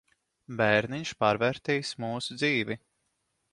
Bērniņš pārvērtīs mūsu dzīvi.